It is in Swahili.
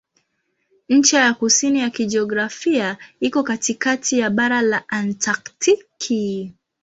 Ncha ya kusini ya kijiografia iko katikati ya bara la Antaktiki.